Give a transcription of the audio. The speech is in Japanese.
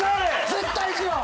絶対いくよ！